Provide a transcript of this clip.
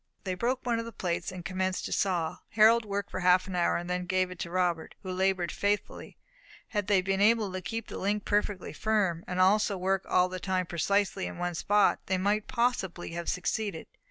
They broke one of the plates, and commenced to saw. Harold worked for half an hour, then gave it to Robert, who laboured faithfully. Had they been able to keep the link perfectly firm, and also to work all the time precisely on one spot, they might possibly have succeeded.